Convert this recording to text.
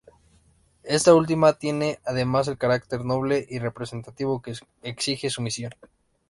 Esta última tiene, además, el carácter noble y representativo que exige su misión.